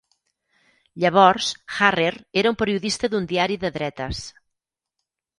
Llavors, Harrer era un periodista d'un diari de dretes.